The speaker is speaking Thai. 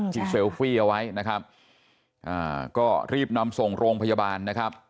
เซลฟี่เอาไว้นะครับอ่าก็รีบนำส่งโรงพยาบาลนะครับ